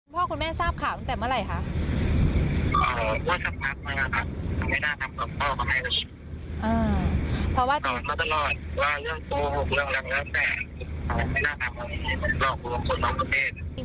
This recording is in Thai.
พ่อคุณแม่ทราบข่าวตั้งแต่เมื่อไหร่คะ